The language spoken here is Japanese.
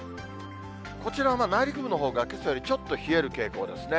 こちら内陸部のほうが、けさよりちょっと冷える傾向ですね。